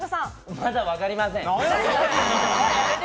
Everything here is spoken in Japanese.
まだわかりません。